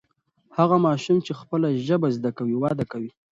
هغه ماشوم چې خپله ژبه زده کوي وده کوي.